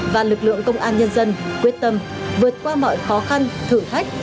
và lực lượng công an nhân dân quyết tâm vượt qua mọi khó khăn thử thách